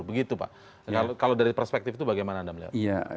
begitu pak kalau dari perspektif itu bagaimana anda melihat